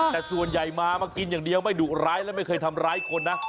แต่ส่วนใหญ่มามากินอย่างเดียวไม่ดุร้ายและไม่เคยทำร้ายคนนะ